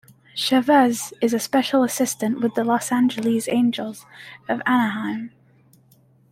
Chavez is a special assistant with the Los Angeles Angels of Anaheim.